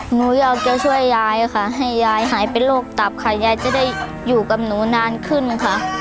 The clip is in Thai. หนูอยากจะช่วยยายค่ะให้ยายหายเป็นโรคตับค่ะยายจะได้อยู่กับหนูนานขึ้นค่ะ